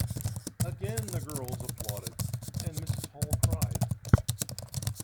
Again the girls applauded, and Mrs Hall cried.